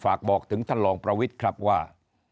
ฝากบอกถึงท่านรองประวิทย์ครับว่า